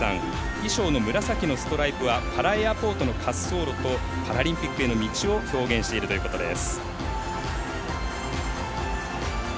衣装の紫のストライプはパラ・エアポートの滑走路とパラリンピックへの道を表現しているということです。